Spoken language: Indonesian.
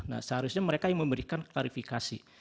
nah seharusnya mereka yang memberikan klarifikasi